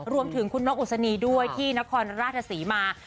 รวมถึงคุณนกอุศนีด้วยที่นครราชศรีมา